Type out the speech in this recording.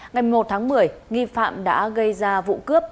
ngày một tháng một mươi nghi phạm đã gây ra vụ cướp